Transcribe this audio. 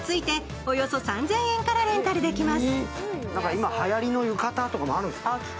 今、はやりの浴衣とかあるんですか？